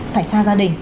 phải xa gia đình